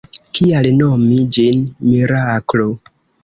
Kial nomi ĝin miraklo?